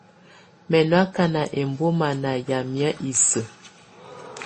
Mɛ̀ nɔ̀ akana ɛmbɔma nà yamɛ̀á isǝ́.